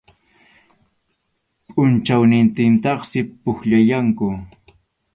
Pʼunchawnintintaqsi pukllallanku.